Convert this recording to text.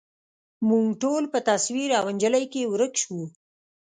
موږ ټول په تصویر او انجلۍ کي ورک شوو